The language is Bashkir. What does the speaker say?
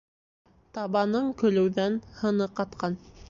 Табаның көлөүҙән һыны ҡатҡан.